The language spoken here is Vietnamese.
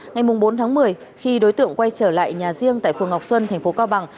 ngày bốn một mươi khi đối tượng quay trở lại nhà riêng tại phường ngọc xuân tp cao bằng